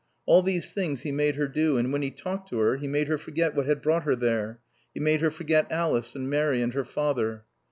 All these things he made her do, and when he talked to her he made her forget what had brought her there; he made her forget Alice and Mary and her father.